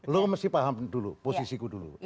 lo mesti paham dulu posisiku dulu